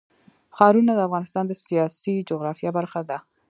ښارونه د افغانستان د سیاسي جغرافیه برخه ده.